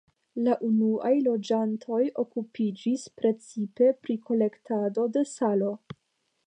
La unuaj loĝantoj okupiĝis precipe pri kolektado de salo.